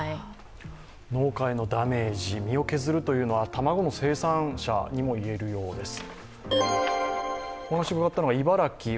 農家へのダメージ、身を削るというのは卵の生産者にもいえるようです。